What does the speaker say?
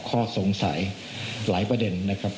ข้อสงสัยหลายประเด็นนะครับ